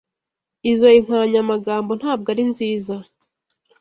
Izoi nkoranyamagambo ntabwo ari nziza.